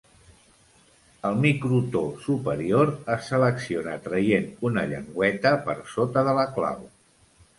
El microtò superior es selecciona traient una llengüeta per sota de la clau.